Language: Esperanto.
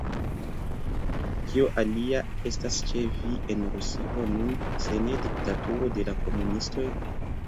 Kio alia estas ĉe vi en Rusio nun, se ne diktaturo de la komunistoj?